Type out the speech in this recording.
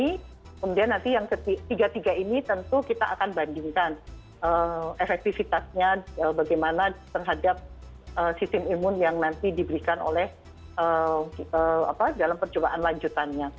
kemudian nanti yang ketiga tiga ini tentu kita akan bandingkan efektivitasnya bagaimana terhadap sistem imun yang nanti diberikan oleh dalam percobaan lanjutannya